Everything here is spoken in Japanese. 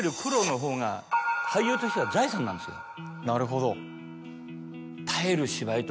なるほど。